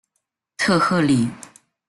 特赫里。